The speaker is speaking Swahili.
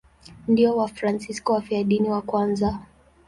Ndio Wafransisko wafiadini wa kwanza.